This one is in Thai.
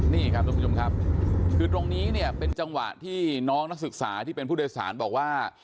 นี่ครับทุกผู้ชมครับคือตรงนี้เนี่ยเป็นจังหวะที่น้องนักศึกษาที่เป็นผู้โดยสารบอกว่า